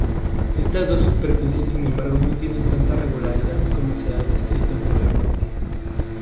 Estas dos superficies sin embargo no tienen tanta regularidad como se ha descrito anteriormente.